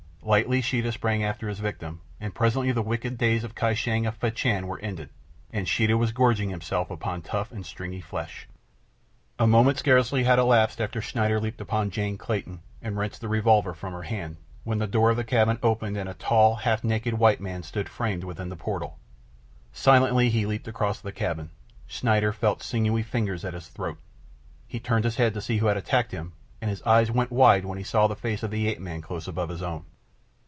Lightly Sheeta sprang after his victim, and presently the wicked days of Kai Shang of Fachan were ended, and Sheeta was gorging himself upon tough and stringy flesh. A moment scarcely had elapsed after Schneider leaped upon Jane Clayton and wrenched the revolver from her hand, when the door of the cabin opened and a tall and half naked white man stood framed within the portal. Silently he leaped across the cabin. Schneider felt sinewy fingers at his throat. He turned his head to see who had attacked him, and his eyes went wide when he saw the face of the ape man close above his own.